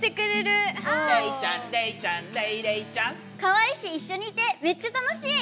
かわいいしいっしょにいてめっちゃ楽しい！